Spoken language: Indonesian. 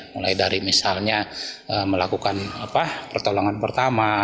mulai dari misalnya melakukan pertolongan pertama